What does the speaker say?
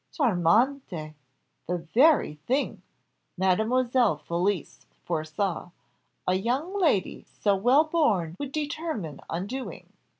"Charmante! the very thing," Mademoiselle Felicie foresaw, "a young lady so well born would determine on doing.